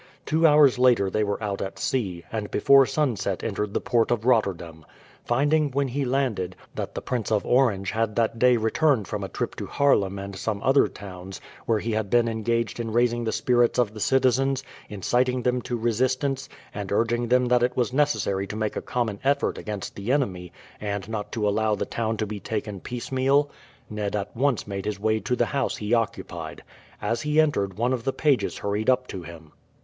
Two hours later they were out at sea, and before sunset entered the port of Rotterdam. Finding, when he landed, that the Prince of Orange had that day returned from a trip to Haarlem and some other towns, where he had been engaged in raising the spirits of the citizens, inciting them to resistance, and urging them that it was necessary to make a common effort against the enemy, and not to allow the town to be taken piecemeal, Ned at once made his way to the house he occupied. As he entered one of the pages hurried up to him.